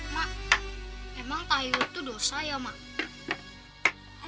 mak emang tayo itu dosa ya mak